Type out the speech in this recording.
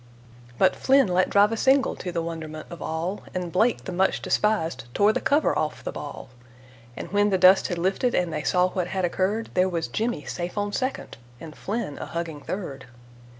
But Flynn let drive a single, to the wonderment of all, And Blake, the much despised, tore the cover off the ball, And when the dust had lifted, and they saw what had occurred, There was Jimmy safe on second, and Flynn a hugging third.